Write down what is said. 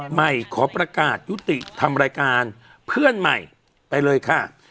ใหม่ขอประกาศยุติทำรายการเพื่อนใหม่ไปเลยค่ะ